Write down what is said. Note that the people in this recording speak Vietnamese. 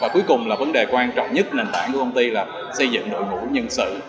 cuối cùng là vấn đề quan trọng nhất nền tảng của công ty là xây dựng đội ngũ nhân sự